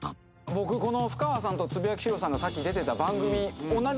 僕このふかわさんとつぶやきシローさんがさっき出てた番組。